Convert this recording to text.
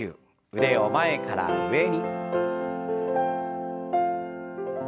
腕を前から上に。